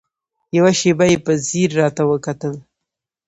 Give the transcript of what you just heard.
يوه شېبه يې په ځير راته وکتل.